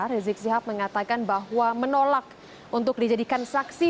rizik sihab mengatakan bahwa menolak untuk dijadikan saksi